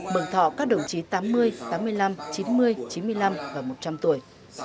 mừng thọ các đồng chí tám mươi tám mươi năm chín mươi chín mươi năm và một trăm linh tuổi